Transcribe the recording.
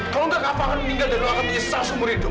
kalau enggak kava akan meninggal dan lo akan menyisah seumur hidup